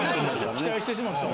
期待してしまったわ。